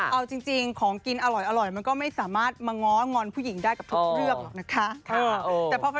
เอาจริงของกินอร่อยมันก็ไม่สามารถมาง้องอนผู้หญิงได้กับทุกเรื่องหรอกนะคะ